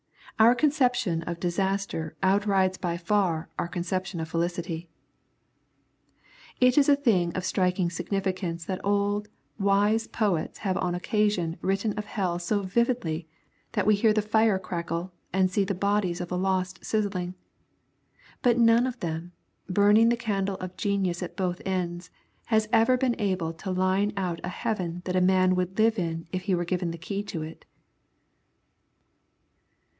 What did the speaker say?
Our conception of disaster outrides by far our conception of felicity. It is a thing of striking significance that old, wise poets have on occasion written of hell so vividly that we hear the fire crackle and see the bodies of the lost sizzling; but not one of them, burning the candle of genius at both ends, has ever been able to line out a heaven that a man would live in if he were given the key to it.